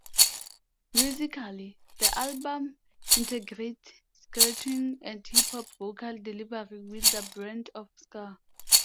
Musically the album integrates scratching and hip-hop vocal delivery with their brand of ska.